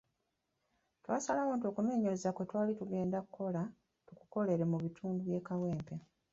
Twasalawo nti okunoonyereza kwe twali tugenda okukola tukukolere mu bitundu by’e Kawempe.